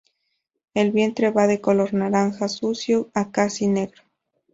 El vientre va de color naranja sucio, a casi negro.